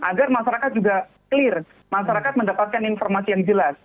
agar masyarakat juga clear masyarakat mendapatkan informasi yang jelas